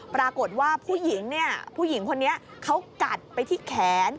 ปรากฏว่าผู้หญิงคนนี้เขากัดไปที่แขน